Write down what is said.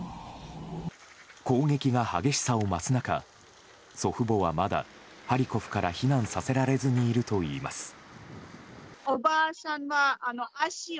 攻撃が激しさを増す中祖父母はまだハリコフから避難させられずにいるといいます。